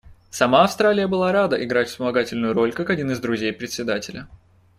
Сама Австралия была рада играть вспомогательную роль как один из друзей Председателя.